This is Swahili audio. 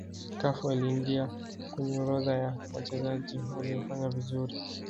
cafu aliingia kwenye orodha ya wachezaji waliofanya vizuri